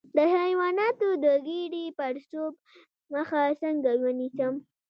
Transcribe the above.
د حیواناتو د ګیډې د پړسوب مخه څنګه ونیسم؟